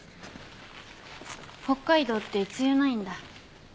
北海道って梅雨ないんだ。